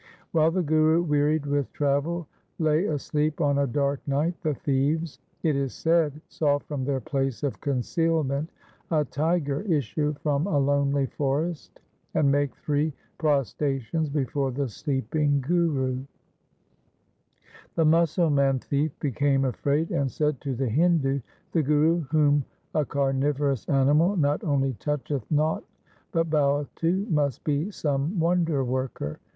While the Guru wearied with travel lay asleep on a dark night, the thieves, it is said, saw from their place of concealment a tiger issue from a lonely forest and make three prostrations before the sleep ing Guru. The Musalman thief became afraid and said to the Hindu, ' The Guru whom a carnivorous animal not only toucheth not, but boweth to, must be some wonder worker.'